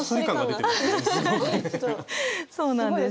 そうなんです。